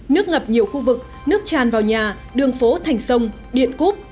nước ngập nhiều khu vực nước tràn vào nhà đường phố thành sông điện cúp